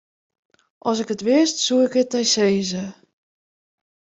As ik it wist, soe ik it dy sizze.